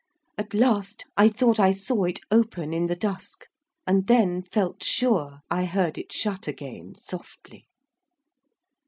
At last I thought I saw it open in the dusk, and then felt sure I heard it shut again softly.